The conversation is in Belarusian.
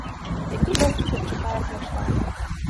Які лёс цяпер чакае кляштар?